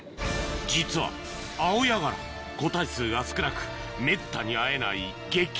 実はアオヤガラ個体数が少なくめったに会えない激